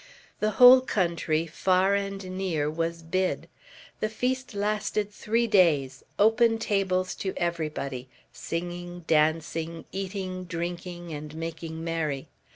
The whole country, far and near, was bid. The feast lasted three days; open tables to everybody; singing, dancing, eating, drinking, and making merry.